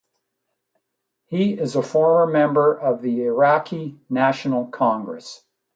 He is a former member of the Iraqi National Congress.